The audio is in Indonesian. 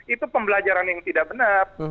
itu pembelajaran yang tidak benar